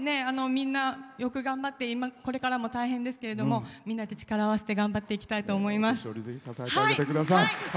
みんな、よく頑張ってこれからも大変ですけどみんなで力を合わせて頑張っていきたいと思います。